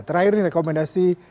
terakhir ini rekomendasi